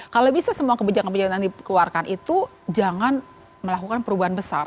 kalau bisa semua kebijakan kebijakan yang dikeluarkan itu jangan melakukan perubahan besar